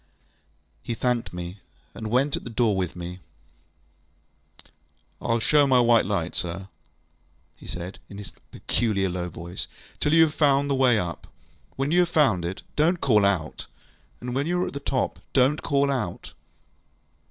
ŌĆØ He thanked me, and went out at the door with me. ŌĆ£IŌĆÖll show my white light, sir, ŌĆØ he said, in his peculiar low voice, ŌĆ£till you have found the way up. When you have found it, donŌĆÖt call out! And when you are at the top, donŌĆÖt call out!